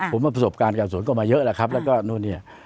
ผมว่าประสบการณ์การสวนก็มาเยอะแล้วครับแล้วก็นู่นเนี่ย